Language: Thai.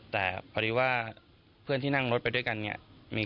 แต่พอดีว่าเพื่อนที่นั่งรถไปด้วยกันเนี่ย